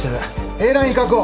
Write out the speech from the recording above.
Ａライン確保！